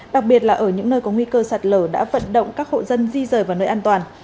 đặc biệt là ở những nơi có nguy cơ sạt lở đã vận động các hộ dân di rời vào nơi an toàn